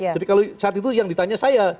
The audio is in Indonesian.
jadi kalau saat itu yang ditanya saya